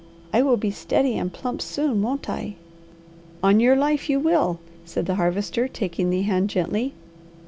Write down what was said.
"I will be steady and plump soon, won't I?" "On your life you will," said the Harvester, taking the hand gently.